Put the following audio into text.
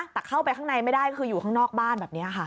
แต่เข้าไปข้างในไม่ได้ก็คืออยู่ข้างนอกบ้านแบบนี้ค่ะ